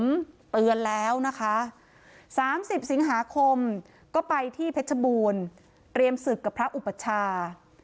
เตือนแล้วนะคะ๓๐สิงหาคมก็ไปที่เพชรบูรณ์เตรียมศึกกับพระอุปชา